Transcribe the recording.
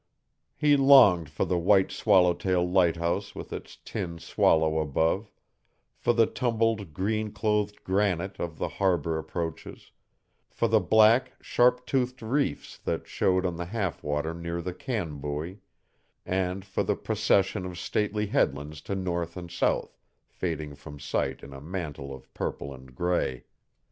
He longed for the white Swallowtail lighthouse with its tin swallow above; for the tumbled green clothed granite of the harbor approaches; for the black, sharp toothed reefs that showed on the half water near the can buoy, and for the procession of stately headlands to north and south, fading from sight in a mantle of purple and gray.